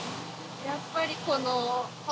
やっぱりこの。